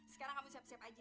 sekarang kamu siap siap aja